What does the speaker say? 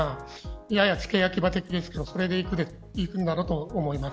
やや付け焼き刃的ですけれどそれでいくんだろうと思います。